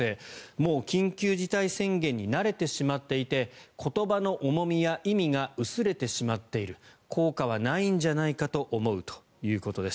もう緊急事態宣言に慣れてしまっていて言葉の重みや意味が薄れてしまっている効果はないんじゃないかと思うということです。